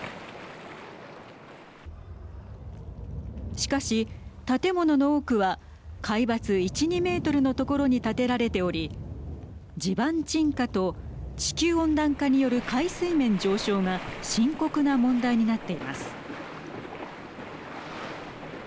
しかし、建物の多くは海抜１、２メートルの所に建てられており地盤沈下と地球温暖化による海水面上昇が深刻な問題になっています。